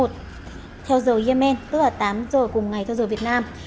theo giờ yemen tức là tám giờ cùng ngày theo giờ việt nam